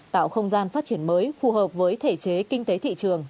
tạo không gian phát triển mới phù hợp với thể chế kinh tế thị trường